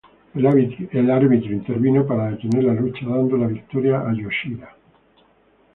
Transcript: El árbitro intervino para detener la lucha, dando la victoria a Yoshida.